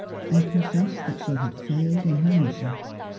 and confess that she had failed in her mission.